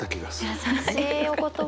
優しいお言葉。